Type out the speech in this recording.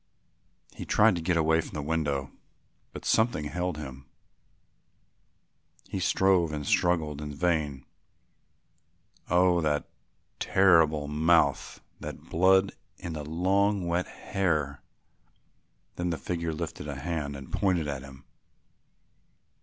He tried to get away from the window, but something held him. He strove and struggled in vain. "Oh, that terrible mouth, that blood in the long wet hair." Then the figure lifted a hand and pointed at him.